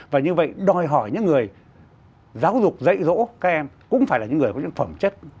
và như vậy đòi hỏi những người giáo dục dạy dỗ các em cũng phải là những người có những phẩm chất